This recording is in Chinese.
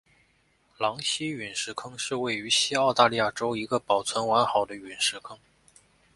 狼溪陨石坑是位于西澳大利亚州一个保存完好的陨石坑。